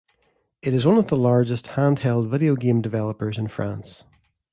It is one of the largest handheld video game developers in France.